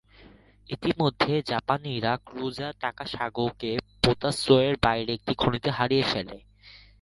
ইতোমধ্যে জাপানিরা ক্রুজার "তাকাসাগো"কে পোতাশ্রয়ের বাইরে একটি খনিতে হারিয়ে ফেলে।